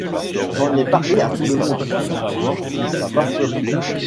J’en ai parlé à tout le monde pour savoir si ça passerait.